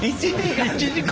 １時間！？